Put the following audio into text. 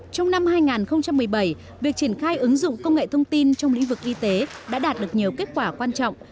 trong năm hai nghìn một mươi bảy việc triển khai ứng dụng công nghệ thông tin trong lĩnh vực y tế đã đạt được nhiều kết quả quan trọng